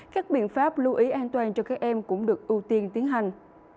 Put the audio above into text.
các biện pháp lưu ý an toàn cho các em cũng được ưu tiên tiến hành